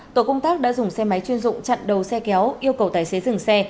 tổ công tác đã dùng xe máy chuyên dụng chặn đầu xe kéo yêu cầu tài xế dừng xe